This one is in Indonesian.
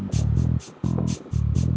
saya cuma mau tidur